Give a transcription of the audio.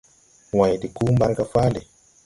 Wãyn de kuu mbarga fáale.